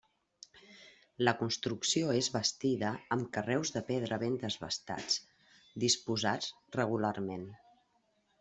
La construcció és bastida amb carreus de pedra ben desbastats, disposats regularment.